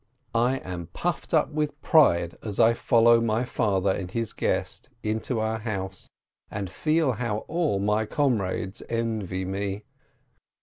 I am puffed up with pride as I follow my father and his guest to our house, and feel how all my comrades envy me.